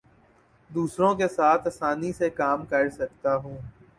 دوسروں کے ساتھ آسانی سے کام کر سکتا ہوں